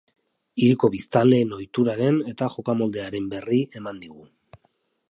Hiriko biztanleen ohituren eta jokamoldearen berri eman digu.